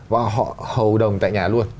và họ hầu đồng tại nhà luôn